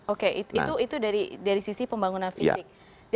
oke itu dari sisi pembangunan fisik